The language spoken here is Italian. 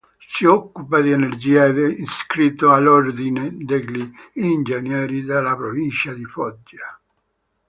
Si occupa di energia ed è iscritto all'Ordine degli ingegneri della provincia di Foggia.